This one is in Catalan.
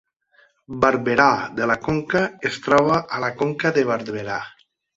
Barberà de la Conca es troba a la Conca de Barberà